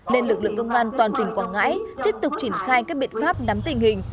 nên lực lượng công an toàn tỉnh quảng ngãi tiếp tục triển khai các biện pháp nắm tình hình